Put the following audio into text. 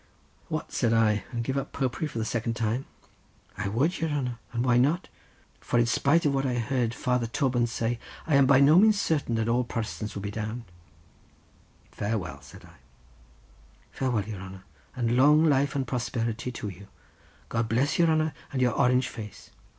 "What," said I, "and give up Popery for the second time?" "I would, your hanner; and why not? for in spite of what I have heard Father Toban say, I am by no means certain that all Protestants will be damned." "Farewell," said I. "Farewell, your hanner, and long life and prosperity to you! God bless your hanner and your Orange face.